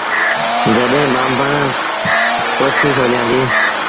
جڏهيݩ ٻآنڀڻ پوٿيٚ کولآيآندي۔